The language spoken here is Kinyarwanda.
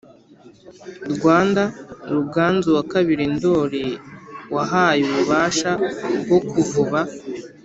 rwanda ruganzu wa kabiri ndori wahaye ububasha bwo kuvuba